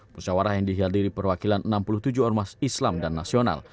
musyawarah yang dihadiri perwakilan enam puluh tujuh ormas islam dan nasional